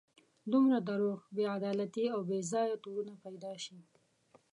دومره دروغ، بې عدالتي او بې ځایه تورونه پیدا شي.